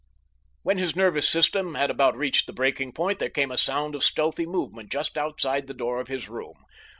When his nervous tension had about reached the breaking point there came a sound of stealthy movement just outside the door of his room.